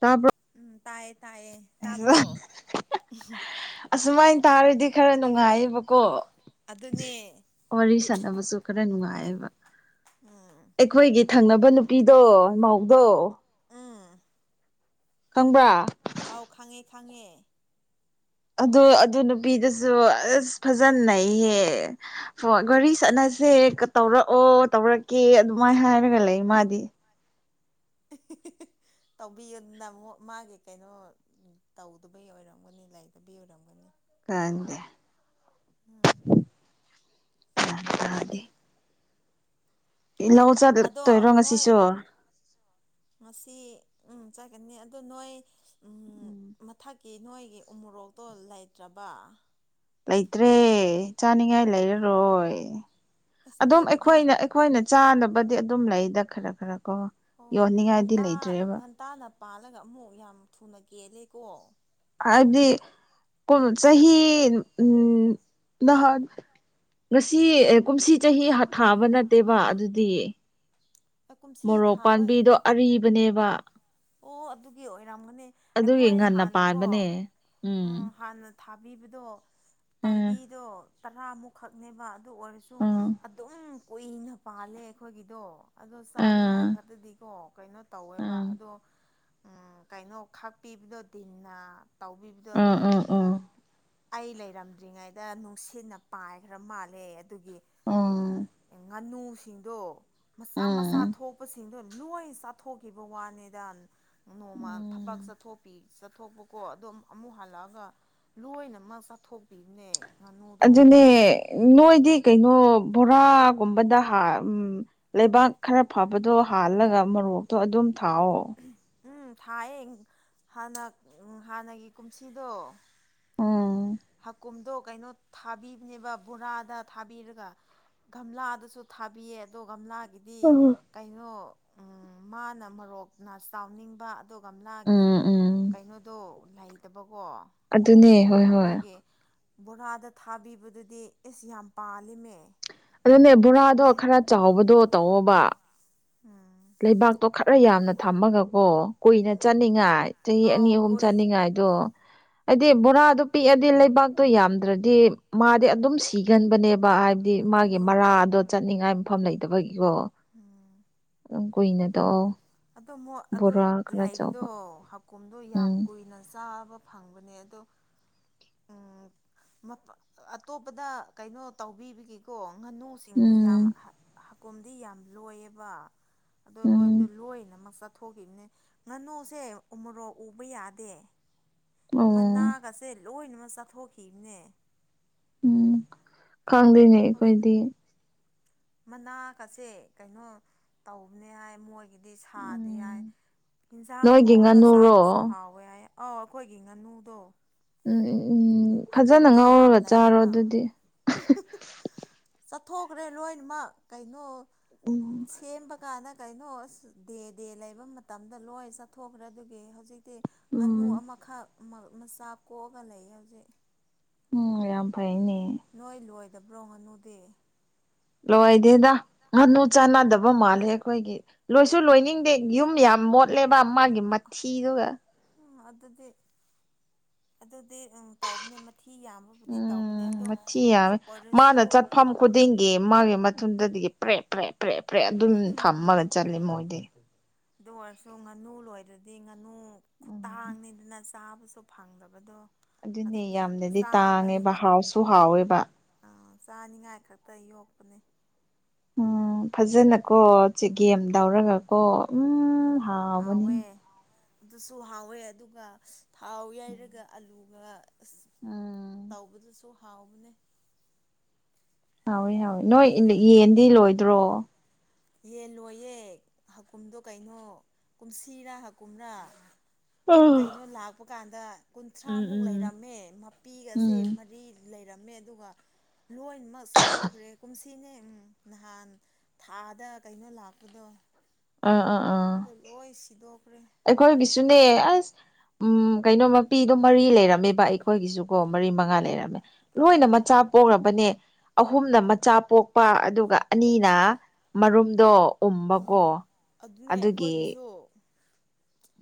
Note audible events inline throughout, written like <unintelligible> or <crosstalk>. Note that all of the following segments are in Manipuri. ꯇꯕꯔꯣ꯫ ꯎꯝ ꯇꯥꯏꯌꯦ ꯇꯥꯏꯌꯦ ꯇꯥꯕ꯭ꯔꯣ ꯑꯁꯨꯃꯥꯏ ꯇꯥꯔꯗꯤ ꯈꯔ ꯅꯨꯡꯉꯥꯏꯌꯦꯕꯀꯣ ꯑꯗꯨꯅꯦ ꯋꯥꯔꯤ ꯁꯥꯟꯅꯕꯁꯨ ꯈꯔ ꯅꯨꯡꯉꯥꯏꯌꯦꯕ ꯎꯝ ꯑꯩꯈꯣꯏꯒꯤ ꯊꯪꯅꯕ ꯅꯨꯄꯤꯗꯣ ꯃꯧꯗꯣ ꯎꯝ ꯈꯪꯕ꯭ꯔꯥ ꯑꯥꯎ ꯈꯪꯉꯦ ꯈꯪꯉꯦ ꯑꯗꯨ ꯑꯗꯨ ꯅꯨꯄꯤꯗꯨꯁꯨ ꯑꯁ ꯐꯖꯟ ꯅꯩꯍꯦ ꯑꯣ ꯒꯥꯔꯤ ꯆꯠꯅꯁꯦ ꯇꯧꯔꯛꯑꯣ ꯇꯧꯔꯛꯀꯦ ꯑꯗꯨꯃꯥꯏꯅ ꯍꯥꯏꯔꯒ ꯂꯩ ꯃꯥꯗꯤ ꯇꯧꯕꯤꯌꯨꯅ ꯑꯃꯛ ꯃꯥꯒꯤ ꯀꯩꯅꯣ ꯇꯧꯗꯕꯩ ꯑꯣꯏꯔꯝꯒꯅꯤ ꯂꯩꯗꯕꯩ ꯑꯣꯏꯔꯝꯒꯅꯤ ꯀꯗꯦ <unintelligible> ꯎꯝ ꯒ꯭ꯌꯥꯟ ꯀ <unintelligible> ꯏꯜꯍ <unintelligible> ꯑꯗꯣ ꯆꯠꯂꯛꯇꯣꯏꯔꯣ ꯅꯣꯏ ꯉꯁꯤꯁꯨ ꯉꯁꯤ ꯎꯝ ꯆꯠꯀꯅꯤ ꯑꯗꯣ ꯅꯣꯏ ꯎꯝ ꯃꯊꯛꯀꯤ ꯅꯣꯏꯒꯤ ꯎꯃꯣꯔꯣꯛꯇꯣ ꯂꯩꯇ꯭ꯔꯕ ꯂꯩꯇ꯭ꯔꯦ ꯆꯥꯅꯤꯡꯉꯥꯏ ꯂꯩꯔꯔꯣꯏ ꯑꯁ ꯑꯗꯨꯝ ꯅꯣꯏꯒꯤꯗꯤ ꯑꯩꯈꯣꯏꯅ ꯑꯩꯈꯣꯏꯅ ꯆꯥꯅꯕꯗꯤ ꯑꯗꯨꯝ ꯂꯩꯗ ꯈꯔ ꯈꯔ ꯀꯣ ꯑꯣ ꯌꯣꯟꯅꯤꯡꯉꯥꯏꯗꯤ ꯉꯟꯇꯥ ꯂꯩꯇ꯭ꯔꯦꯕ ꯉꯟꯇꯥꯅ ꯄꯥꯜꯂꯒ ꯑꯃꯨꯛ ꯌꯥꯝ ꯊꯨꯅ ꯀꯦꯜꯂꯦꯀꯣ ꯍꯥꯏꯕꯗꯤ ꯀꯨꯝ ꯀꯩ ꯆꯍꯤ ꯎꯝ ꯅꯍꯥꯟ ꯉꯁꯤ ꯀꯨꯝꯁꯤ ꯆꯍꯤ ꯍꯥꯠ ꯊꯥꯕ ꯅꯠꯇꯦꯕ ꯑꯗꯨꯗꯤ ꯀꯨꯝꯁꯤ ꯃꯣꯔꯣꯛ ꯊꯥꯕ ꯄꯥꯝꯕꯤꯗꯣ ꯑꯔꯤꯕꯅꯦꯕ ꯑꯣ ꯑꯗꯨꯒꯤ ꯑꯣꯏꯔꯝꯒꯅꯤ ꯑꯗꯨꯒꯤ ꯑꯩꯈꯣꯏ ꯉꯟꯅ ꯍꯥꯟꯅꯀꯣ ꯄꯥꯟꯕꯅꯦ ꯎꯝ ꯍꯥꯟꯅ ꯊꯥꯕꯤꯕꯗꯣ ꯎꯝ ꯄꯥꯝꯕꯤꯗꯣ ꯇꯔꯥꯃꯨꯛ ꯈꯛꯅꯦꯕ ꯑꯗꯨ ꯑꯣꯏꯔꯁꯨ ꯎꯝ ꯑꯗꯨꯝ ꯀꯨꯏꯅ ꯄꯥꯜꯂꯦ ꯑꯩꯈꯣꯏꯒꯤꯗꯣ ꯑꯗꯣ ꯑꯥ ꯆꯥꯅꯤꯡꯉꯥꯏ ꯈꯛꯇꯗꯤꯀꯣ ꯀꯩꯅꯣ ꯇꯧꯋꯦꯕ ꯑꯥ ꯑꯗꯣ ꯎꯝ ꯀꯩꯅꯣ ꯈꯥꯛꯄꯤꯕꯗꯣ ꯗꯤꯟꯅ ꯇꯧꯕꯤꯕꯗꯣ ꯑꯥ ꯑꯗꯨ ꯑꯥ ꯑꯥ ꯑꯥ ꯑꯩ ꯂꯩꯔꯝꯗ꯭ꯔꯤꯉꯩꯗ ꯅꯨꯡꯁꯤꯠꯅ ꯄꯥꯏꯈ꯭ꯔ ꯃꯥꯜꯂꯦ ꯑꯗꯨꯒꯤ ꯎꯝ ꯉꯥꯅꯨꯁꯤꯡꯗꯣ ꯃꯆꯥ ꯃꯆꯥ ꯊꯣꯛꯄꯁꯤꯡꯗꯣ ꯂꯣꯏ ꯆꯥꯊꯣꯛꯈꯤꯕ ꯋꯥꯅꯤꯗ ꯅꯣꯡꯃ ꯎꯝ ꯊꯕꯛ ꯆꯠꯊꯣꯛꯄꯤ ꯆꯠꯊꯣꯛꯄꯀꯣ ꯑꯗꫭ ꯑꯃꯨꯛ ꯍꯜꯂꯛꯑꯒ ꯂꯣꯏꯅꯃꯛ ꯆꯠꯊꯣꯛꯄꯤꯕꯅꯦ ꯑꯗꯨꯅꯦ ꯅꯣꯏꯗꯤ ꯀꯩꯅꯣ ꯕꯣꯔꯥꯒꯨꯝꯕꯗ ꯍꯥꯞ ꯎꯝ ꯂꯩꯕꯥꯛ ꯈꯔ ꯐꯕꯗꯣ ꯍꯥꯜꯂꯒ ꯃꯣꯔꯣꯛꯇꯣ ꯑꯗꯨꯝ ꯊꯥꯎꯑꯣ ꯎꯝ ꯊꯥꯏꯌꯦ ꯍꯥꯟꯅ ꯍꯥꯟꯅꯒꯤ ꯀꯨꯝꯁꯤꯗꯣ ꯎꯝ ꯍꯥꯀꯨꯝꯗꯣ ꯀꯩꯅꯣ ꯊꯥꯕꯤꯕꯅꯦꯕ ꯕꯣꯔꯥꯗ ꯊꯥꯕꯤꯔꯒ ꯒꯝꯂꯥꯗꯁꯨ ꯊꯥꯕꯤꯌꯦ ꯑꯗꯣ ꯒꯝꯂꯥꯒꯤ ꯗꯤ ꯎꯝ ꯀꯩꯅꯣ ꯃꯥꯅ ꯃꯣꯔꯣꯛꯅ ꯆꯥꯎꯅꯤꯡꯕ ꯑꯗꯨꯒ ꯒꯝꯂꯥꯒꯤ ꯎꯝ ꯎꯝ ꯀꯩꯅꯣꯗꯣ ꯂꯩꯇꯕꯀꯣ ꯑꯗꯨꯅꯦ ꯍꯣꯏ ꯍꯣꯏ ꯑꯗꯨꯒꯤ ꯕꯣꯔꯥꯗ ꯊꯥꯕꯤꯕꯗꯨꯗꯤ ꯑꯦꯁ ꯌꯥꯝ ꯄꯥꯜꯂꯤꯃꯦ ꯑꯗꯨꯅꯦ ꯕꯣꯔꯥꯗꯣ ꯈꯔ ꯆꯥꯎꯕꯗꯣ ꯇꯧꯑꫭꯕ ꯎꯝ ꯂꯩꯕꯥꯛꯇꯣ ꯈꯔ ꯌꯥꯝꯅ ꯊꯝꯃꯒ ꯀꯣ ꯀꯨꯏꯅ ꯎꯝ ꯆꯥꯅꯤꯡꯉꯥꯏ ꯆꯍꯤ ꯑꯅꯤ ꯑꯥꯎ ꯑꯍꯨꯝ ꯀꯨꯏ ꯆꯠꯅꯤꯡꯉꯥꯏ ꯑꯗꫭ ꯍꯥꯏꯗꯤ ꯕꯣꯔꯥꯗꯣ ꯄꯤꯛꯑꯗꯤ ꯂꯩꯕꯥꯛꯇꯣ ꯌꯥꯝꯗ꯭ꯔꯗꯤ ꯃꯥꯗꯤ ꯑꯗꯨꯝ ꯁꯤꯒꯟꯕꯅꯦꯕ ꯍꯥꯏꯕ ꯗꯤ ꯃꯥꯒꯤ ꯃꯔꯥꯗꯣ ꯆꯠꯅꯤꯡꯉꯥꯏ ꯃꯐꯝ ꯂꯩꯇꯕꯒꯤꯀꯣ ꯎꯝ ꯀꯨꯅꯗꯣ <unintelligible> ꯑꯣ ꯃ <unintelligible> ꯑꯗꯨ ꯂꯥꯛꯏꯕꯗꯣ ꯍꯀꯨꯝꯗꯣ ꯌꯥꯝ ꯎꯝ ꯀꯨꯏꯅ ꯆꯥꯕ ꯐꯪꯕꯅꯦ ꯑꯗꯣ ꯎꯝ ꯑꯇꯣꯞꯄꯗ ꯀꯩꯅꯣ ꯇꯧꯕꯤꯕꯒꯤ ꯀꯣ ꯉꯥꯅꯨꯁꯤꯡ ꯌꯥꯝ ꯎꯝ ꯍꯀꯣꯝꯗꯤ ꯌꯥꯝ ꯂꯣꯏꯌꯦꯕ ꯑꯗꯣ ꯂꯣꯏꯕꯗ ꯎꯝ ꯂꯣꯏꯅꯃꯛ ꯆꯠꯊꯣꯛꯈꯤꯕꯅꯦ ꯉꯥꯅꯨꯁꯦ ꯎꯃꯣꯔꯣꯛ ꯎꯕ ꯌꯥꯗꯦ ꯑꯣ ꯃꯅꯥꯒꯁꯦ ꯂꯣꯏꯅꯃꯛ ꯆꯥꯊꯣꯛꯈꯤꯕꯅꯦ ꯎꯝ ꯈꯪꯗ‌ꯦꯅꯦ ꯍꯧꯖꯤꯛ ꯑꯩꯈꯣꯏꯗꯤ ꯃꯅꯥꯀꯁꯦ ꯀꯩꯅꯣ ꯇꯧꯕꯅꯦ ꯍꯥꯏ ꯃꯣꯏ ꯑꯗꯒꯤꯗꯤ ꯁꯥꯗꯤ ꯌꯥꯏ ꯎꯝ ꯌꯦꯟꯁꯥꯡ ꯅꯣꯏꯒꯤ ꯊꯣꯡꯉꯒ ꯉꯥꯅꯨꯔꯣ ꯆꯥꯕꯁꯨ ꯍꯥꯎꯋꯤ ꯍꯣꯢ ꯑꯥꯎ ꯑꯩꯈꯣꯏꯒꯤ ꯉꯥꯅꯨꯗꯣ ꯎꯝ ꯎꯝ ꯐꯖꯅ ꯍꯀꯨꯝꯗꯤ ꯌꯥꯝ ꯉꯧꯔꯒ ꯆꯥꯔꯣ ꯂꯩꯌꯦꯕ ꯑꯗꯨꯗꯤ ꯆꯠꯊꯣꯛꯈ꯭ꯔꯦ ꯂꯣꯏꯅꯃꯛ ꯀꯩꯅꯣ ꯎꯝ ꯁꯦꯝꯕꯒꯥꯟꯗ ꯀꯩꯅꯣ ꯑꯁ ꯗꯦ ꯗꯦ ꯂꯩꯕ ꯃꯇꯝꯗ ꯂꯣꯏ ꯆꯠꯊꯣꯛꯈ꯭ꯔꯦ ꯑꯗꯨꯒꯤ ꯍꯧꯖꯤꯛ ꯉꯥꯅꯨ ꯎꯝ ꯑꯃꯈꯛ ꯃꯆꯥ ꯀꯣꯛꯑꯒ ꯂꯩꯌꯦ ꯍꯧꯖꯤꯛ ꯎꯝ ꯌꯥꯝ ꯐꯩꯅꯦ ꯅꯣꯏ ꯂꯣꯏꯗꯕ꯭ꯔꯣ ꯉꯥꯅꯨꯗꯤ ꯂꯣꯢꯗꯦꯗ ꯉꯥꯅꯨ ꯆꯥꯟꯅꯗꯕ ꯃꯥꯜꯂꯦ ꯑꯩꯈꯣꯏꯒꯤ ꯂꯣꯏꯁꯨ ꯂꯣꯏꯅꯤꯡꯗꯦ ꯌꯨꯝ ꯌꯥꯝ ꯃꯣꯠꯂꯦꯕ ꯃꯥꯒꯤ ꯃꯊꯤꯗꯨꯒ ꯑꯥ ꯑꯗꯨꯗꯤ ꯑꯗꯨꯗꯤ ꯑꯝ ꯇꯥꯎꯕꯅꯦ ꯃꯊꯤ ꯌꯥꯝꯕ ꯎꯝ ꯃꯊꯤ ꯌꯥꯝꯃꯦ ꯃꯥꯅ ꯆꯠꯐꯝ ꯈꯨꯗꯤꯡꯒꯤ ꯃꯥꯒꯤ ꯎꯝ ꯃꯊꯨꯟꯗꯗꯤ ꯄ꯭ꯔꯦ ꯄ꯭ꯔꯦ ꯄ꯭ꯔꯦ ꯐ꯭ꯔꯦ ꯑꯗꯨꯝ ꯊꯝꯃꯒ ꯆꯠꯂꯤ ꯃꯣꯏꯗꯤ ꯑꯗꯨ ꯑꯣꯏꯔꯁꯨ ꯉꯥꯅꯨ ꯂꯣꯏꯗ꯭ꯔꯗꯤ ꯉꯥꯅꯨ ꯎꯝ ꯈꯨꯇꯥꯡꯅꯤꯗꯅ ꯆꯥꯕꯁꯨ ꯐꯪꯗꯕꯗꯣ ꯑꯗꯨꯅꯦ ꯑꯗꯨꯒꯤ ꯌꯥꯝꯅꯗꯤ ꯇꯥꯡꯉꯦꯕ ꯍꯥꯎꯁꯨ ꯍꯥꯎꯋꯦꯕ ꯑꯥ ꯆꯥꯅꯤꯡꯉꯥꯏ ꯈꯛꯇ ꯌꯣꯛꯄꯅꯦ ꯎꯝ ꯐꯖꯅꯀꯣ ꯆꯤꯒꯦꯝ ꯇꯧꯔꯒ ꯀꯣ ꯎꯝ ꯍꯥꯎꯕꯅꯤ ꯑꯗꯨꯁꯨ ꯍꯥꯎꯋꯦ ꯑꯗꯨꯒ ꯊꯥꯎ ꯌꯥꯏꯔꯒ ꯑꯂꯨꯒ ꯑꯁ ꯎꯝ ꯇꯧꯕꯗꯁꯨ ꯍꯥꯎꯕꯅꯦ ꯍꯥꯎꯋꯤ ꯍꯥꯎꯋꯤ ꯅꯣꯏ ꯌꯦꯟꯗꯤ ꯂꯣꯏꯗ꯭ꯔꯣ ꯌꯦꯟ ꯂꯣꯏꯌꯦ ꯍꯀꯨꯝꯗꯣ ꯀꯩꯅꯣ ꯀꯨꯝꯁꯤꯔꯥ ꯍꯀꯨꯝꯔꯥ ꯎꯝ ꯀꯩꯅꯣ ꯂꯥꯛꯄ ꯀꯥꯟꯗ ꯀꯨꯟꯊ꯭ꯔꯥꯃꯨꯛ ꯎꯝ ꯂꯩꯔꯝꯃꯦ ꯄꯤꯒꯁꯦ ꯎꯝ ꯃꯔꯤ ꯂꯩꯔꯝꯃꯦ ꯑꯗꯨꯒ ꯂꯣꯏꯅꯃꯛ ꯁꯤꯗꯣꯛꯈ꯭ꯔꯦ ꯀꯨꯝꯁꯤꯅꯦ ꯅꯍꯥꯟ ꯊꯥ ꯗ ꯀꯩꯅꯣ ꯂꯥꯛꯄꯗꯣ ꯑꯥ ꯑꯥ ꯑꯥ ꯑꯗꯨ ꯂꯣꯏ ꯁꯤꯗꯣꯛꯈ꯭ꯔꯦ ꯑꯩꯈꯣꯏꯒꯤꯁꯨꯅꯦ ꯑꯁ ꯎꯝ ꯀꯩꯅꯣ ꯃꯄꯤꯗꯣ ꯃꯔꯤ ꯂꯩꯔꯝꯃꯦꯕ ꯑꯩꯈꯣꯏꯒꯤꯁꯨꯀꯣ ꯃꯔꯤ ꯃꯉꯥ ꯂꯩꯔꯝꯃꯦ ꯂꯣꯏꯅ ꯎꯝ ꯃꯆꯥ ꯄꯣꯛꯅꯕꯅꯦ ꯑꯍꯨꯝꯅ ꯃꯆꯥ ꯄꯣꯛꯄ ꯑꯗꯨꯒ ꯑꯅꯤꯅ ꯃꯔꯨꯝꯗꯣ ꯎꯝꯕꯀꯣ ꯑꯗꯨꯅꯦ ꯑꯗꯨꯒꯤ ꯑꯩꯈꯣꯏꯒꯤꯁꯨ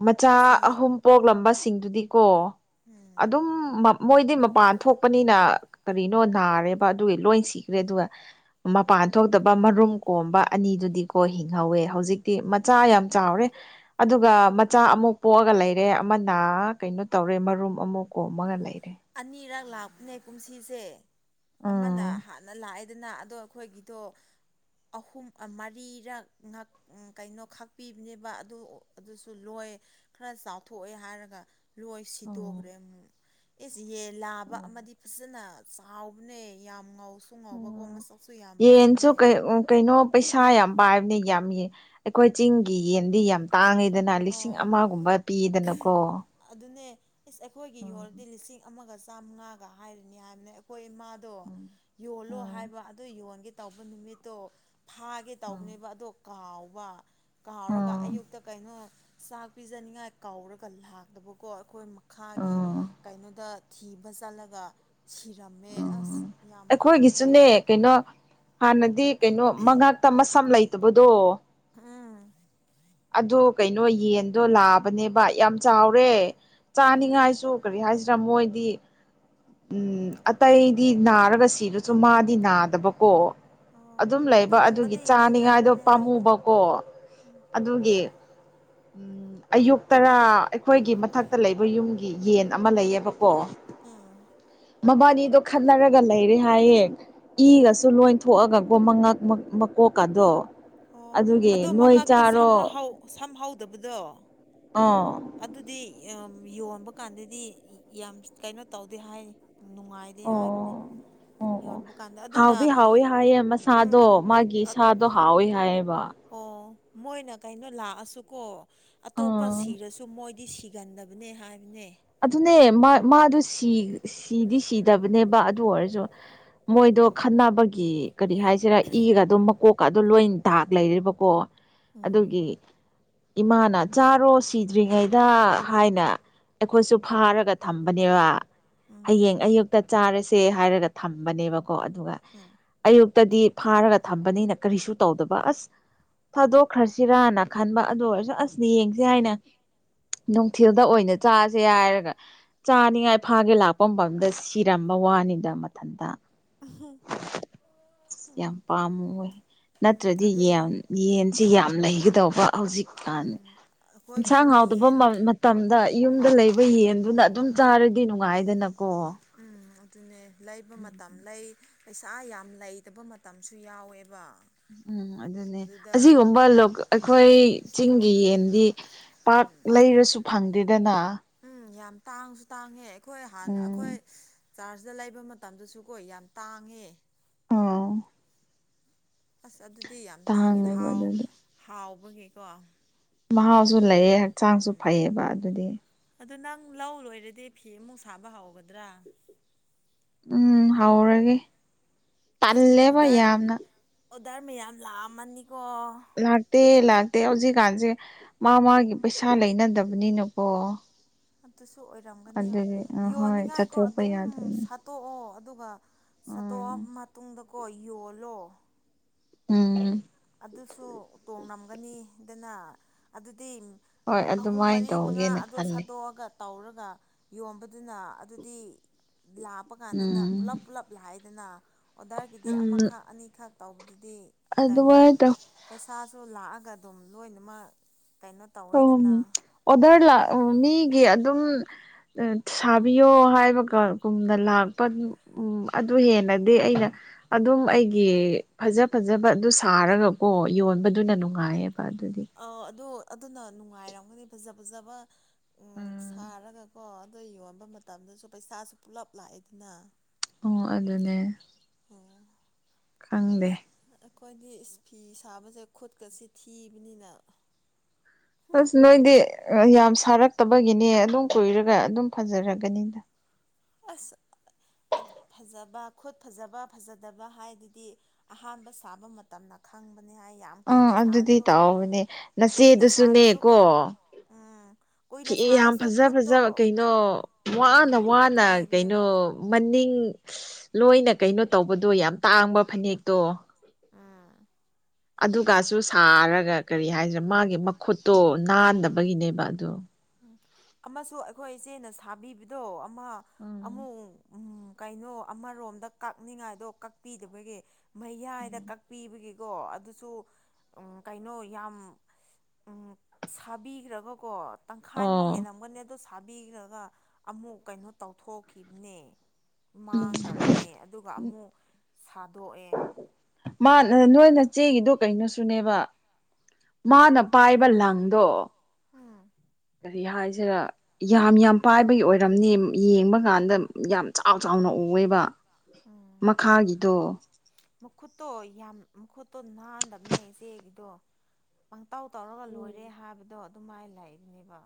ꯃꯆꯥ ꯑꯁ ꯌꯦ ꯑꯍꯨꯝ ꯄꯣꯛꯂꯝꯕꯁꯤꯡꯗꯨꯗꯤꯀꯣ ꯎꯝ ꯑꯗꯨꯝ ꯃꯣꯏꯗꯤ ꯃꯄꯥꯟ ꯊꯣꯛꯄꯅꯤꯅ ꯀꯔꯤꯅꯣ ꯅꯥꯔꯦꯕ ꯑꯗꯨꯒꯤ ꯂꯣꯏ ꯁꯤꯈ꯭ꯔꯦ ꯑꯗꯨꯒ ꯃꯄꯥꯟ ꯊꯣꯛꯇꯕ ꯃꯔꯨꯝ ꯀꯣꯝꯕ ꯑꯅꯤꯗꯨꯗꯤꯀꯣ ꯍꯤꯡꯍꯧꯋꯦ ꯍꯧꯖꯤꯛꯇꯤ ꯃꯆꯥ ꯌꯥꯝ ꯆꯥꯎꯔꯦ ꯑꯗꯨꯒ ꯃꯆꯥ ꯑꯃꯨꯛ ꯄꯣꯛꯑꯒ ꯂꯩꯔꯦ ꯑꯃꯅ ꯀꯩꯅꯣ ꯇꯧꯔꯦ ꯃꯔꯨꯝ ꯑꯃꯨꯛ ꯀꯣꯟꯂꯒ ꯂꯩꯔꯦ ꯑꯅꯤꯔꯛ ꯂꯥꯛꯄꯅꯦ ꯀꯨꯝꯁꯤꯁꯦ ꯑꯃꯅ ꯎꯝ ꯍꯥꯟꯅ ꯂꯥꯛꯏ ꯑꯗꯨꯅ ꯑꯗꯣ ꯑꯩꯈꯣꯏꯒꯤꯗꯣ ꯑꯍꯨꯝ ꯃꯔꯤꯔꯛ ꯉꯥ ꯀꯩꯅꯣ ꯈꯥꯛꯄꯤꯕꯅꯦꯕ ꯑꯗꯨ ꯑꯗꯨꯁꯨ ꯂꯣꯏ ꯈꯔ ꯆꯥꯎꯊꯣꯛꯑꯦ ꯍꯥꯏꯔꯒ ꯂꯣꯏ ꯎꯝ ꯁꯤꯗꯣꯛꯈ꯭ꯔꯦ ꯑꯃꯨꯛ ꯑꯦ ꯌꯦꯟ ꯂꯥꯕ ꯑꯃꯗꯤ ꯐꯖꯅ ꯆꯥꯎꯕꯅꯦ ꯌꯥꯝ ꯉꯥꯎꯁꯨ ꯉꯥꯎꯕꯒꯣ ꯃꯁꯛꯁꯨ ꯌꯥꯝ ꯐꯖꯕꯅꯦ ꯑꯣ ꯀꯩꯅꯣ ꯄꯩꯁꯥ ꯌꯥꯝ ꯄꯥꯏꯕꯅꯤ ꯌꯥꯝ ꯑꯩꯈꯣꯏ ꯆꯤꯡꯒꯤ ꯌꯦꯟꯗꯤ ꯌꯥꯝ ꯇꯥꯡꯉꯤꯗꯅ ꯂꯤꯁꯤꯡ ꯑꯧ ꯑꯃꯒꯨꯝꯕ ꯄꯤꯗꯅꯀꯣ ꯑꯗꯨꯅꯦ ꯏꯁ ꯑꯩꯈꯣꯏꯒꯤ ꯌꯣꯜꯔꯗꯤ ꯂꯤꯁꯤꯡ ꯑꯃꯒ ꯆꯥꯝꯃꯉꯥꯒ ꯍꯥꯏꯔꯤꯅꯤ ꯍꯥꯏꯕꯅꯦ ꯍꯣꯏ ꯏꯃꯥꯗꯣ ꯌꯣꯜꯂꯣ ꯍꯥꯏꯕ ꯑꯗꯨ ꯌꯣꯟꯒꯦ ꯇꯧꯕ ꯅꯨꯃꯤꯠꯇꯣ ꯐꯥꯒꯦ ꯇꯧꯕꯅꯦꯕ ꯑꯗꯣ ꯀꯥꯎꯕ ꯀꯥꯎꯔꯒ ꯑꯩꯈꯣꯏꯒꯤꯁꯨꯅꯦ ꯑꯌꯨꯛꯇ ꯀꯩꯅꯣ ꯆꯥꯛ ꯄꯤꯖꯅꯤꯡꯉꯥꯏ ꯀꯥꯎꯔꯒ ꯂꯥꯛꯇꯕꯀꯣ ꯑꯩꯈꯣꯏ ꯃꯈꯥꯒꯤ ꯀꯩꯅꯣꯗ ꯊꯤꯕ ꯆꯠꯂꯒ ꯁꯤꯔꯝꯃꯦ ꯑꯁ ꯌꯥꯝ ꯄꯥꯝꯃꯨꯌꯦꯗꯥ ꯀꯩꯅꯣ ꯍꯥꯟꯅꯗꯤ ꯀꯩꯅꯣ ꯃꯉꯥꯛꯇ ꯃꯁꯝ ꯂꯩꯇꯕꯗꯣ ꯑꯥ ꯑꯗꯣ ꯀꯩꯅꯣ ꯌꯦꯟꯗꯣ ꯂꯥ ꯅꯦꯕ ꯌꯥꯝ ꯆꯥꯎꯔꯦ ꯆꯥꯅꯤꯡꯉꯥꯏꯁꯨ ꯀꯔꯤ ꯍꯥꯏ ꯃꯣꯏꯗꯤ ꯎꯝ ꯑꯇꯩꯗꯤ ꯅꯥꯔꯒ ꯁꯤꯔꯁꯨ ꯃꯥꯗꯤ ꯅꯥꯗꯕꯀꯣ ꯑꯣ ꯑꯗꯨꯝ ꯂꯩ ꯑꯗꯨꯒꯤ ꯑꯗꯨꯒꯨꯝꯕꯗꯤ ꯆꯥꯅꯤꯉꯥꯏꯗꯣ ꯍꯤꯡꯒꯟꯕꯅꯦ ꯍꯥꯏꯅꯤ ꯄꯥꯝꯃꯨꯕꯀꯣ ꯎꯝ ꯑꯗꯨꯒꯤ ꯎꯝ ꯑꯌꯨꯛ ꯇꯔꯥ ꯑꯩꯈꯣꯏꯒꯤ ꯃꯊꯛꯇ ꯂꯩꯕ ꯌꯨꯝꯒꯤ ꯌꯦꯟ ꯑꯃ ꯂꯩꯌꯦꯕꯀꯣ ꯎꯝ ꯃꯕꯥꯅꯤꯗꯣ ꯈꯠꯅꯔꯒ ꯂꯩꯔꯦ ꯍꯥꯏꯌꯦ ꯏꯒꯁꯨ ꯂꯣꯏ ꯊꯣꯛꯑꯒꯀꯣ ꯃꯉꯛ ꯃꯀꯣꯛꯀꯗꯣ ꯑꯣ ꯑꯗꯣ ꯑꯗꯨꯒꯤ ꯅꯣꯏ ꯃꯉꯛꯇ ꯁꯝ ꯆꯥꯔꯣ ꯁꯝ ꯍꯥꯎꯗꯕꯗꯣ ꯑꯣ ꯑꯗꯨꯗꯤ ꯌꯣꯟꯕ ꯀꯥꯟꯗꯗꯤ ꯌꯥꯝ ꯀꯩꯅꯣ ꯇꯧꯗꯦ ꯍꯥꯏ ꯅꯨꯡꯉꯥꯏ ꯗꯦ ꯍꯥꯏꯕꯅꯦ ꯑꯣ ꯑꯣ ꯌꯣꯟꯕ ꯀꯥꯟꯗ ꯑꯗꯨꯅ ꯍꯥꯎꯗꯤ ꯍꯥꯎꯋꯦ ꯍꯥꯏꯌꯦ ꯃꯁꯥꯗꯣ ꯎꯝ ꯃꯥꯒꯤ ꯁꯥꯗꯣ ꯍꯥꯎꯋꯦ ꯍꯥꯏꯌꯦꯕ ꯑꯣ ꯃꯣꯏꯅ ꯀꯩꯅꯣ ꯂꯥꯛꯑꯁꯨꯀꯣ ꯑꯇꯣꯞꯄ ꯑꯥ ꯁꯤꯔꯁꯨ ꯃꯣꯏꯗꯤ ꯁꯤ ꯁꯤꯒꯟꯗꯕꯅꯦ ꯍꯥꯏꯕꯅꯦ ꯑꯗꯨꯅꯦ ꯃꯥꯗ ꯁꯤꯗꯤ ꯁꯤꯗꯕꯅꯦꯕ ꯑꯗꯨ ꯑꯣꯏꯔꯁꯨ ꯃꯣꯏꯗꯣ ꯈꯠꯅꯕꯒꯤ ꯀꯔꯤ ꯍꯥꯏꯁꯤꯔ ꯏꯒꯗ ꯃꯀꯣꯛꯀ ꯑꯗꯨꯝ ꯂꯣꯏ ꯗꯥꯛ ꯂꯩꯔꯦꯕꯀꯣ ꯎꯝ ꯑꯗꯨꯒꯤ ꯏꯃꯥꯅ ꯆꯥꯔꯣ ꯁꯤꯗ꯭ꯔꯤꯉꯩꯗ ꯍꯥꯏꯅ ꯑꯩꯈꯣꯏꯁꯨ ꯐꯥꯔꯒ ꯊꯝꯕꯅꯦꯕ ꯍꯌꯦꯡ ꯑꯌꯨꯛ ꯇ ꯆꯥꯔꯁꯦ ꯍꯥꯏꯔꯒ ꯊꯝꯕꯅꯦꯕꯀꯣ ꯑꯗꯨꯒ ꯍꯥꯥ ꯑꯌꯨꯛꯇꯗꯤ ꯐꯥꯔꯒ ꯊꯝꯕꯅꯤꯅ ꯀꯔꯤꯁꯨ ꯇꯧꯗꯕ ꯑꯁ ꯊꯥꯗꯣꯛꯈ꯭ꯔꯁꯤꯔꯅ ꯈꯟꯕ ꯑꯗꯨ ꯑꯣꯏꯔꯁꯨ ꯑꯁꯅ ꯌꯦꯡꯁ ꯍꯥꯏꯅ ꯅꯨꯡꯊꯤꯜꯗ ꯑꯣꯏꯅ ꯆꯥꯁꯦ ꯍꯥꯏꯔꯒ ꯆꯥꯅꯤꯡꯉꯥꯏ ꯐꯥꯒꯦ ꯂꯥꯛꯄ ꯃꯗ ꯁꯤꯔꯝꯕ ꯋꯥꯅꯤꯗ ꯃꯊꯟꯇ ꯑꯍꯥ ꯌꯥꯝ ꯄꯥꯝꯃꯨ ꯋꯦ ꯎꯝ ꯅꯠꯇ꯭ꯔꯗꯤ ꯑꯗꯨꯅꯦ ꯌꯦꯟ ꯌꯦꯟꯁꯤ ꯌꯥꯝ ꯂꯩꯒꯗꯧꯕ ꯍꯧꯖꯤꯛꯀꯥꯟꯅꯤ ꯎꯝ ꯏꯟꯁꯥꯡ ꯑꯩꯈꯣꯏꯒꯤꯁꯨꯅꯦ ꯍꯥꯎꯗ ꯌꯦꯟ ꯃꯇꯝꯗ ꯌꯨꯝꯗ ꯂꯩꯕ ꯌꯦꯟꯗꯨꯅ ꯑꯗꯨꯝ ꯆꯥꯔꯗꯤ ꯅꯨꯡꯉꯥꯏꯗꯅꯀꯣ ꯎꯝ ꯑꯗꯨꯅꯦ ꯂꯩꯕ ꯃꯇꯝ ꯂꯩ ꯄꯩꯁꯥ ꯌꯥꯝ ꯂꯩꯇꯕ ꯃꯇꯝꯁꯨ ꯌꯥꯎꯋꯦꯕ ꯎꯝ ꯑꯗꯨꯅꯦ ꯑꯗꯨꯗ ꯑꯁꯤꯒꯨꯝꯕ ꯑꯩꯈꯣꯏ ꯆꯤꯡꯒꯤ ꯌꯦꯟꯗꯤ ꯄꯥꯥꯛ ꯎꯝ ꯂꯩꯔꯁꯨ ꯐꯪꯗꯦꯗꯅ ꯎꯝ ꯌꯥꯝ ꯇꯥꯡꯁꯨ ꯇꯥꯡꯉꯦ ꯑꯩꯈꯣꯏ ꯍꯥꯟꯅ ꯎꯝ ꯑꯩꯈꯣꯏ ꯆꯥꯔꯖꯇ ꯂꯩꯕ ꯃꯇꯝꯗꯁꯨ ꯀꯣ ꯌꯥꯝ ꯇꯥꯡꯉꯦ ꯑꯣ ꯑꯁ ꯑꯗꯨꯗꯤ ꯌꯥꯝ ꯇꯥꯡꯉꯤꯗ ꯇꯥꯡꯉꯦꯕ ꯍꯥꯎ ꯑꯗꯨꯗꯤ ꯍꯥꯎꯕꯒꯤꯀꯣ ꯃꯍꯥꯎꯁꯨ ꯂꯩꯌꯦ ꯍꯛꯆꯥꯡꯁꯨ ꯎꯝ ꯐꯩꯌꯦꯕ ꯑꯗꯨꯗꯤ ꯑꯗꯨ ꯅꯪ ꯂꯧ ꯂꯣꯏꯔꯗꯤ ꯐꯤ ꯑꯃꯨꯛ ꯁꯥꯕ ꯍꯧꯒꯗ꯭ꯔꯥ ꯎꯝ ꯍꯧꯔꯒꯦ ꯑꯁ ꯇꯜꯂꯦꯕ ꯑꯣꯗꯔ ꯌꯥꯝꯅ ꯑꯣꯗꯔ ꯃꯌꯥꯝ ꯂꯥꯛꯑꯝꯃꯅꯤꯀꯣ ꯂꯥꯛꯇꯦ ꯂꯥꯛꯇꯦ ꯍꯧꯖꯤꯛꯀꯥꯟꯁꯦ ꯃꯥ ꯃꯥꯒꯤ ꯄꯩꯁꯥ ꯂꯩꯅꯗꯕꯅꯤꯅꯀꯣ ꯑꯗꯨꯁꯨ ꯑꯣꯏꯔꯝꯒꯅꯤ ꯑꯗꯨꯗꯤ ꯑ ꯍꯣꯏ ꯌꯣꯟꯅꯤꯡꯉꯥꯏꯀꯣ ꯆꯠꯊꯣꯛꯄ ꯑꯗꯨꯝ ꯁꯠ ꯌꯥꯗꯕꯅꯤ ꯁꯠꯇꯣꯛꯑꯣ ꯑꯗꯨꯒ ꯁꯠꯇꯣꯛꯑ ꯎꯝ ꯃꯇꯨꯡꯗꯀꯣ ꯌꯣꯜꯂꯣ ꯎꯝ ꯑꯗꯨꯁꯨ ꯇꯣꯡꯉꯝꯒꯅꯤ ꯑꯗꯨꯅ ꯑꯗꯨꯗꯤ ꯍꯣꯏ ꯑꯍꯨꯝ ꯑꯗꯨꯃꯥꯏꯅ ꯃꯔꯤ ꯃꯉꯥ ꯇꯧꯒꯦꯅ ꯑꯗꯨ ꯈꯜꯂꯦ ꯁꯥꯗꯣꯛꯑꯒ ꯇꯧꯔꯒ ꯌꯣꯟꯕꯗꯨꯅ ꯑꯗꯨꯗꯤ ꯂꯥꯛꯞꯄ ꯀꯥꯟꯗꯅ ꯎꯝ ꯄꯨꯂꯞ ꯄꯨꯂꯞ ꯂꯥꯛꯢꯗꯅ ꯑꯣꯗꯔꯒꯤꯗꯤ ꯑꯃꯈꯛ ꯑꯅꯤꯈꯛ ꯇꯧꯕꯗꯨꯗꯤ ꯀꯩꯅꯣ ꯑꯗꯨꯃꯥꯢ ꯇꯧ ꯄꯩꯁꯥꯁꯨ ꯂꯥꯛꯑꯒ ꯑꯗꯨꯝ ꯂꯣꯏꯅꯃꯛ ꯀꯩꯅꯣ ꯇꯧꯋꯦꯗꯅ ꯑꯣꯗꯔ ꯂꯥꯛ ꯃꯤꯒꯤ ꯑꯗꯨꯝ ꯁꯥꯕꯤꯌꯣ ꯍꯥꯏꯕꯒꯨꯝꯅ ꯂꯥꯛꯄ ꯎꯝ ꯑꯗꯨ ꯍꯦꯟꯅꯗꯤ ꯑꯩꯅ ꯑꯗꯨꯝ ꯑꯩꯒꯤ ꯐꯖ ꯐꯖꯕ ꯑꯗꯨ ꯁꯥꯔꯒꯀꯣ ꯌꯣꯟꯕꯗꯨꯅ ꯅꯨꯡꯉꯥꯏꯌꯦꯕ ꯑꯗꯨꯒꯤ ꯑ ꯑꯗꯣ ꯑꯗꯨꯅ ꯅꯨꯡꯉꯥꯏꯔꯝꯒꯅꯤ ꯐꯖ ꯐꯖꯕ ꯑꯝ ꯁꯥꯔꯒ ꯀꯣ ꯑꯗꯣ ꯌꯣꯟꯕ ꯃꯇꯝꯗꯁꯨ ꯄꯩꯁꯥꯁꯨ ꯄꯨꯂꯞ ꯂꯥꯛꯑꯦꯗꯅ ꯑꯝ ꯑꯗꯨꯅꯦ ꯎꯝ ꯈꯪꯗꯦ ꯑꯩꯈꯣꯏꯗꯤ ꯐꯤ ꯁꯥꯕꯁꯦ ꯈꯨꯠꯀꯁꯤ ꯊꯤꯕꯅꯤꯅ ꯑꯁ ꯅꯣꯏꯗꯤ ꯌꯥꯝ ꯁꯥꯔꯛꯇꯕꯒꯤꯅꯦ ꯑꯗꯨꯝ ꯀꯨꯏꯔꯒ ꯑꯗꯨꯝ ꯐꯖꯔꯒꯅꯤꯗ ꯑꯁ ꯐꯖꯕ ꯈꯨꯠ ꯐꯖꯕ ꯐꯖꯗꯕ ꯍꯥꯏꯗꯨꯗꯤ ꯑꯍꯥꯟꯕ ꯁꯥꯕ ꯃꯇꯝꯅ ꯈꯪꯕꯅꯤ ꯍꯥꯏ ꯌꯥꯝ ꯑꯥ ꯀꯨꯏꯅ ꯑꯗꯨꯗꯤ ꯁꯥꯔꯁꯨ ꯇꯥꯎꯕꯅꯦ ꯀꯨꯏꯅ ꯅꯆꯦꯗꯨꯁꯨꯅꯦꯀꯣ ꯁꯥꯔꯁꯨꯀꯣ ꯎꯝ ꯐꯤ ꯀꯨꯏꯅ ꯌꯥꯝ ꯁꯥꯔꯁꯨ ꯐꯖ ꯈꯨꯠꯇꯣ ꯐꯖꯕ ꯀꯩꯅꯣ ꯋꯥꯅ ꯎꯝ ꯋꯥ ꯋꯥꯅꯥ ꯀꯩꯅꯣ ꯊꯤꯕꯅꯦꯕ ꯃꯅꯤꯡ ꯂꯣꯏꯅ ꯀꯩꯅꯣ ꯇꯧꯕꯗꯣ ꯌꯥꯝ ꯇꯥꯡꯕ ꯐꯅꯦꯛꯇꯣ ꯎꯝ ꯑꯗꯨꯒꯁꯨ ꯁꯥꯔꯒ ꯀꯔꯤ ꯍꯥꯏꯁꯤꯔ ꯃꯥꯒꯤ ꯃꯈꯨꯠꯇꯣ ꯅꯥꯟꯗꯕꯒꯤꯅꯦꯕ ꯑꯗꯣ ꯑꯃꯁꯨ ꯑꯩꯈꯣꯏ ꯏꯆꯦꯅ ꯁꯥꯕꯤꯕꯗꯣ ꯑꯃ ꯎꯝ ꯑꯃꯨꯛ ꯎꯝ ꯀꯩꯅꯣ ꯑꯃꯔꯣꯝꯗ ꯀꯛꯅꯤꯡꯉꯥꯏꯗꯣ ꯀꯛꯄꯤꯗꯕꯒꯤ ꯃꯌꯥꯏꯗ ꯎꯝ ꯀꯛꯄꯤꯕꯒꯤꯀꯣ ꯑꯗꯨꯁꯨ ꯎꯝ ꯀꯩꯅꯣ ꯌꯥꯝ ꯎꯝ ꯁꯥꯕꯤꯈ꯭ꯔꯕꯀꯣ ꯇꯪꯈꯥꯏꯃꯨꯛ ꯑꯣ ꯍꯦꯜꯂꯝꯒꯅꯤ ꯑꯗꯨ ꯁꯥꯕꯤꯈ꯭ꯔꯒ ꯑꯃꯨꯛ ꯀꯩꯅꯣ ꯇꯧꯊꯣꯛꯈꯤꯕꯅꯦ ꯃꯥꯡꯈ꯭ꯔꯕꯅꯦ ꯑꯗꯨꯒ ꯑꯃꯨꯛ ꯁꯥꯗꯣꯛꯑꯦ ꯃꯥ ꯅꯣꯏꯅꯆꯦꯒꯤꯗꯣ ꯀꯩꯅꯣꯁꯨꯅꯦꯕ ꯃꯥꯅ ꯄꯥꯏꯕ ꯂꯪꯗꯣ ꯎꯝ ꯀꯔꯤ ꯍꯥꯏꯁꯤꯔꯥ ꯌꯥꯝ ꯌꯥꯝ ꯄꯥꯏꯕꯒꯤ ꯑꯣꯏꯔꯝꯅꯦ ꯌꯦꯡꯕ ꯀꯥꯟꯗ ꯌꯥꯝ ꯆꯥꯎ ꯆꯥꯎꯅ ꯎꯑꯦꯕ ꯎꯝ ꯃꯈꯥꯒꯤꯗꯣ ꯃꯈꯨꯠꯇꯣ ꯌꯥꯝ ꯃꯈꯨꯠꯇꯣ ꯅꯥꯟꯗꯕꯅꯦ ꯏꯆꯦꯒꯤꯗꯣ ꯄꯪꯇꯧ ꯇꯧꯔꯒ ꯂꯣꯏꯔꯦ ꯍꯥꯏꯕꯗꯣ ꯑꯗꯨꯃꯥꯏꯅ ꯂꯩꯕꯅꯦꯕ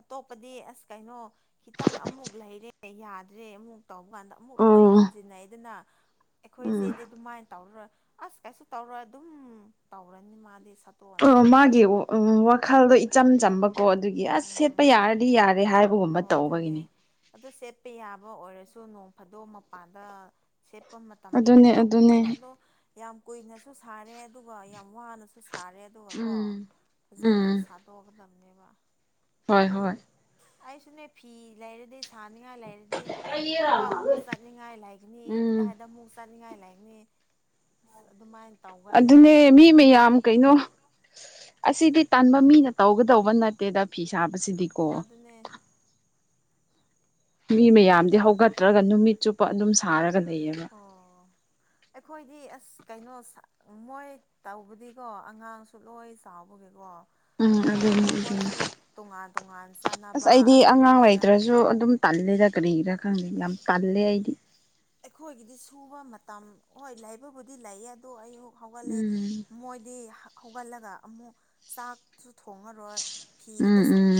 ꯑꯇꯣꯞꯄꯗꯤ ꯑꯁ ꯀꯩꯅꯣ ꯈꯤꯇꯪ ꯑꯃꯨꯛ ꯂꯩꯔꯦ ꯌꯥꯗ꯭ꯔꯦ ꯑꯃꯨꯛ ꯇꯧꯕ ꯀꯥꯟꯗ ꯑꯃꯨꯛ ꯑꯣ ꯂꯣꯏ ꯍꯟꯖꯤꯟꯅꯩꯗꯅ ꯎꯝ ꯑꯩꯈꯣꯏꯆꯦꯗꯤ ꯑꯗꯨꯃꯥꯏꯅ ꯇꯧꯔꯔꯣꯏ ꯑꯁ ꯀꯩꯁꯨ ꯇꯧꯔꯣꯏ ꯑꯗꯨꯝ ꯇꯧꯔꯅꯤ ꯃꯥꯗꯤ ꯁꯥꯞ ꯑꫭ ꯃꯥꯒꯤ ꯋꯥꯈꯜꯗꯣ ꯏꯆꯝ ꯆꯝꯕ ꯀꯣ ꯑꯗꯨꯒꯤ ꯑꯁ ꯁꯦꯠꯄ ꯌꯥꯔꯗꯤ ꯌꯥꯔꯦ ꯍꯥꯏꯕꯒꯨꯝꯕ ꯇꯧꯕꯅꯦ ꯇꯧꯕꯒꯤꯅꯤ ꯑꯗꯨ ꯁꯦꯠꯄ ꯌꯥꯕ ꯑꯣꯏꯔꯁꯨ ꯅꯣꯡ ꯐꯥꯗꯣ ꯃꯄꯥꯟꯗ ꯁꯦꯠꯄ ꯃꯇꯝꯁꯨ ꯑꯗꯨꯅꯦ ꯌꯥꯎꯒꯅꯦꯕ ꯑꯗꯨꯅꯦ ꯑꯗꯣ ꯌꯥꯝ ꯀꯨꯏꯅꯁꯨ ꯁꯥꯔꯦ ꯑꯗꯨꯒ ꯌꯥꯝ ꯋꯥꯅꯁꯨ ꯁꯥꯔꯦ ꯑꯗꯨꯒ ꯀꯣ ꯎꯝ ꯐꯖꯅ ꯎꯝ ꯁꯥ ꯇꯣꯛ ꯟꯕ ꯍꯣꯏ ꯍꯣꯏ ꯑꯩꯁꯨꯅꯦ ꯐꯤ ꯂꯥꯏꯔꯗꯁ ꯁꯥꯅꯤꯡꯉꯥꯏ ꯂꯩꯔꯗꯤ ꯊꯕꯛ ꯑꯃꯨ ꯆꯠꯅꯤꯡꯉꯥꯏ ꯂꯩꯒꯅꯤ ꯎꯝ ꯍꯥꯏꯗ ꯑꯃꯨꯛ ꯆꯥꯅꯤꯡꯉꯥꯏ ꯂꯥꯏꯛꯅꯤ ꯑꯁ ꯑꯗꯨꯃꯥꯏꯅ ꯇꯧꯒꯜꯂꯦ ꯑꯗꯨꯅꯦ ꯑꯗꯣ ꯃꯤ ꯃꯌꯥꯝ ꯀꯩꯅꯣ ꯑꯁꯤꯗꯤ ꯇꯟꯕ ꯃꯤꯅ ꯇꯧꯒꯗꯧꯕ ꯅꯠꯇꯦꯗ ꯐꯤ ꯁꯥꯕꯁꯤꯗꯤ ꯑꯗꯨꯅꯦ ꯃꯤꯃꯦ ꯌꯥ ꯌꯥꯗꯤ ꯍꯧꯒꯠꯇ꯭ꯔꯒ ꯅꯨꯃꯤꯠ ꯆꯨꯞꯄ ꯑꯗꯨꯝ ꯁꯥꯔꯒ ꯂꯩꯌꯦꯕ ꯑꯣ ꯑꯩꯈꯣꯏꯗꯤ ꯑꯁ ꯀꯩꯅꯣ ꯃꯣꯏ ꯇꯧꯕꯗꯤꯀꯣ ꯑꯉꯥꯡꯁꯨꯂꯣꯏ ꯆꯥꯎꯕꯒꯦꯀꯣ ꯎꯝ ꯑꯗꯨ ꯑꯗꯨꯅꯤ ꯑꯣꯏꯕꯅꯤ ꯑꯗꯨꯅꯤ ꯃꯣꯏꯁꯨ ꯇꯣꯉꯥꯟ ꯇꯣꯉꯥꯟ ꯆꯥꯟꯅꯕ ꯑꯗꯨꯒꯤꯅꯤꯗ ꯇꯥꯂꯦ ꯒ꯭ꯔ ꯍꯈ꯭ꯔꯥ ꯈꯪ ꯂꯩꯂꯝ ꯇꯜꯂꯦ ꯍꯥꯏꯗꯤ ꯑꯩꯈꯣꯏꯒꯤꯗꯤ ꯁꯨꯕ ꯃꯇꯝ ꯍꯣꯏ ꯂꯩꯕꯕꯨꯗꯤ ꯂꯩꯌꯦ ꯑꯗꯣ ꯑꯩꯌꯨ ꯍꯧꯒꯠꯂꯦ ꯎꯝ ꯃꯣꯏꯗꯤ ꯍꯧꯒꯠꯂꯒ ꯑꯃꯨꯛ ꯆꯥꯛ ꯁꯨ ꯊꯣꯉꯔꯣꯏ ꯐꯤ ꯎꯝ ꯈꯛꯇ ꯁꯥ ꯎꯝ